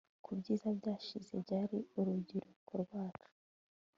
Kubyiza byashize byari urubyiruko rwacu